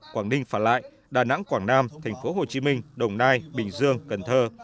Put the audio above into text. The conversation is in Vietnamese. quảng ninh phả lại đà nẵng quảng nam tp hcm đồng nai bình dương cần thơ